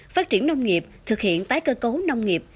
phát triển nông nghiệp thực hiện tái cơ cấu nông nghiệp